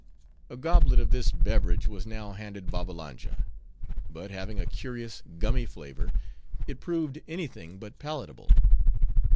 A goblet of this beverage was now handed Babbalanja; but having a curious, gummy flavor, it proved any thing but palatable.